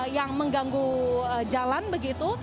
yang mengganggu jalan begitu